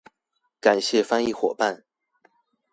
感謝翻譯夥伴